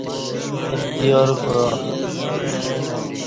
اختیار کعا